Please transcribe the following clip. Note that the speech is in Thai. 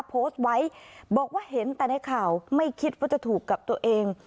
โพสต์ไว้บอกว่าเห็นแต่ในข่าวไม่คิดว่าจะถูกกับตัวเอง